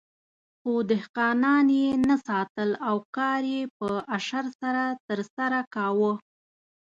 خو دهقانان یې نه ساتل او کار یې په اشر سره ترسره کاوه.